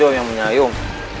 hanya hjo yang menyayung